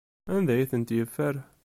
Anda ay tent-yeffer?